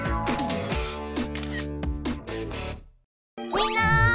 みんな！